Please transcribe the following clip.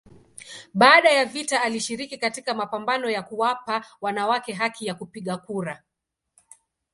Baada ya vita alishiriki katika mapambano ya kuwapa wanawake haki ya kupiga kura.